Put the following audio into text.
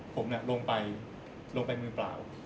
ตอนนั้นนะผมลงไปมือเปล่า